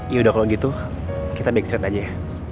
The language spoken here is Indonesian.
yaudah kalau gitu kita backstreet aja ya